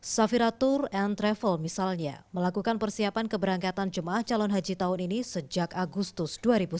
safira tour and travel misalnya melakukan persiapan keberangkatan jemaah calon haji tahun ini sejak agustus dua ribu sembilan belas